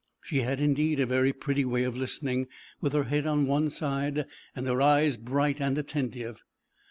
She had indeed a very pretty way of listening, with her head on one side and her eyes bright and attentive.